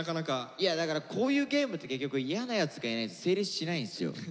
いやだからこういうゲームって結局嫌なやつがいないと成立しないんですよ。